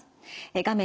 画面